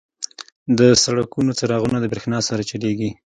• د سړکونو څراغونه د برېښنا سره چلیږي.